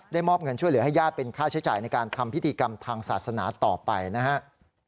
มอบเงินช่วยเหลือให้ญาติเป็นค่าใช้จ่ายในการทำพิธีกรรมทางศาสนาต่อไปนะครับ